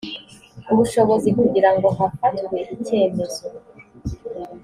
ubushobozi kugira ngo hafatwe icyemezo